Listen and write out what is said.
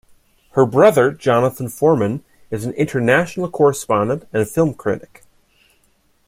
Her brother, Jonathan Foreman, is an international correspondent and film critic.